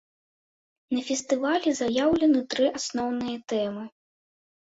На фестывалі заяўлены тры асноўныя тэмы.